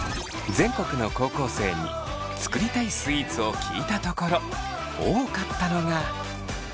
全国の高校生に「作りたいスイーツ」を聞いたところ多かったのが。